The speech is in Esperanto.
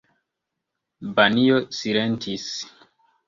Banjo silentis.